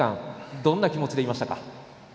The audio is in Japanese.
どんな気持ちでいましたか。